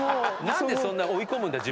なんでそんな追い込むんだよ